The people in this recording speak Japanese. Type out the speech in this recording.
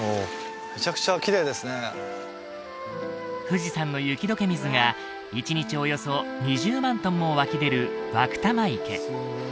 富士山の雪解け水が一日およそ２０万トンも湧き出る湧玉池